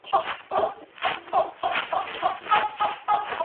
Este segundo matrimonio no produjo hijos.